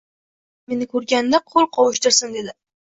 Odamlar meni ko’rganda qo’l qovushtirsin dedi.